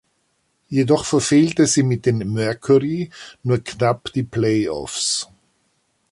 Jedoch verfehlte sie mit den Mercury nur knapp die Playoffs.